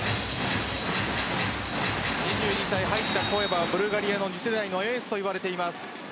２２歳入ったコエバはブルガリアの次世代のエースといわれています。